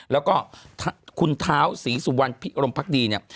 แล้วก็คุณเท้าศรีสุวรรณพิรมพักดีเนี่ย